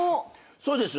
そうです。